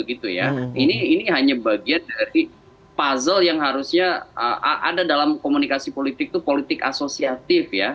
ini hanya bagian dari puzzle yang harusnya ada dalam komunikasi politik itu politik asosiatif ya